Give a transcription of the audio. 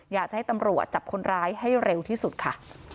อยากจะให้ตำรวจจับคนร้ายให้เร็วที่สุดค่ะ